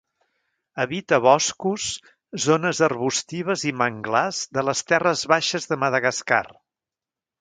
Habita boscos, zones arbustives i manglars de les terres baixes de Madagascar.